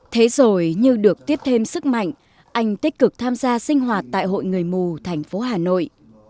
thế rồi như được tiếp thêm sức mạnh anh tích cực tham gia sinh hoạt tại hội người mù thành phố hà nội